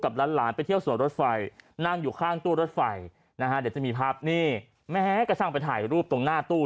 หลานไปเที่ยวสวนรถไฟนั่งอยู่ข้างตู้รถไฟนะฮะเดี๋ยวจะมีภาพนี่แม้กระทั่งไปถ่ายรูปตรงหน้าตู้